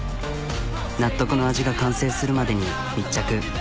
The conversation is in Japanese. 納得の味が完成するまでに密着。